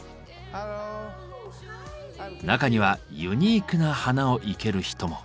中にはユニークな花を生ける人も。